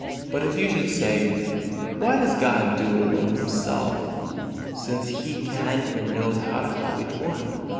But if you should say: "Why does not God do it alone and Himself, since He can and knows how to help each one?"